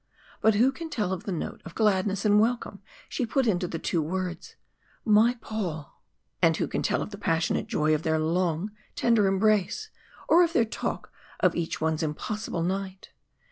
But who can tell of the note of gladness and welcome she put into the two words, "My Paul!"? And who can tell of the passionate joy of their long, tender embrace, or of their talk of each one's impossible night?